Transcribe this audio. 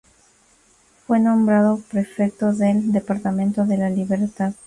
Fue nombrado prefecto del departamento de La Libertad.